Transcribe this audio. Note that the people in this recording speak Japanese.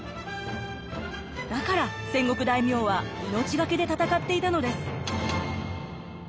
だから戦国大名は命懸けで戦っていたのです。